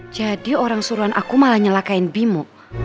jadi orang suruhan aku malah nyelakain bimo